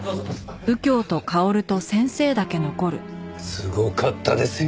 すごかったですよ。